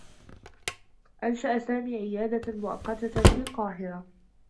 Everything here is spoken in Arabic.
أنشأ سامي عيادة مؤقّتة في القاهرة.